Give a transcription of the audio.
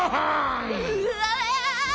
うわ！